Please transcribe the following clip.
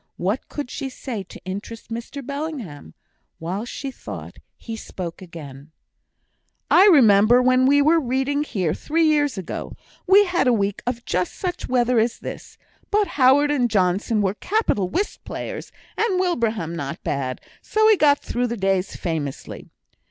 What could she say to interest Mr Bellingham? While she thought, he spoke again: "I remember when we were reading here three years ago, we had a week of just such weather as this; but Howard and Johnson were capital whist players, and Wilbraham not bad, so we got through the days famously.